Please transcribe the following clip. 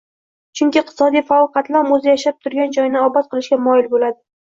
chunki iqtisodiy faol qatlam o‘zi yashab turgan joyni obod qilishga moyil bo‘ladi.